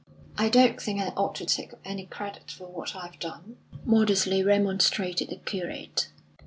"I don't think I ought to take any credit for what I've done," modestly remonstrated the curate.